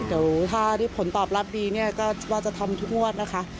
เดี๋ยวถ้าผลตอบรับดีว่าจะทำทุกงวดนะคะ